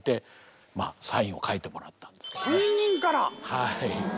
はい。